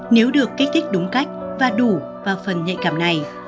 nếu được kích thích đúng cách và đủ vào phần nhạy cảm này